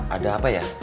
ada apa ya